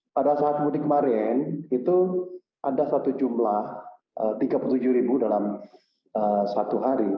pada saat mudik kemarin itu ada satu jumlah tiga puluh tujuh ribu dalam satu hari